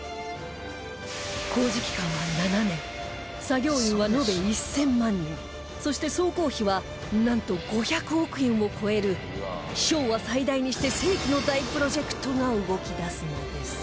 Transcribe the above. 工事期間は７年作業員は延べ１０００万人そして総工費はなんと５００億円を超える昭和最大にして世紀の大プロジェクトが動き出すのです